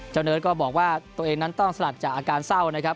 เนิร์ดก็บอกว่าตัวเองนั้นต้องสลัดจากอาการเศร้านะครับ